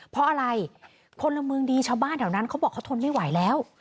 เพราะอะไรพลเมืองดีชาวบ้านแถวนั้นเขาบอกเขาทนไม่ไหวแล้ว